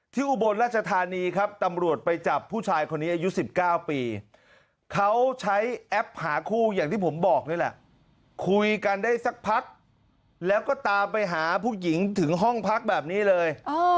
อุบลราชธานีครับตำรวจไปจับผู้ชายคนนี้อายุ๑๙ปีเขาใช้แอปหาคู่อย่างที่ผมบอกนี่แหละคุยกันได้สักพักแล้วก็ตามไปหาผู้หญิงถึงห้องพักแบบนี้เลย